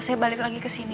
saya balik lagi ke sini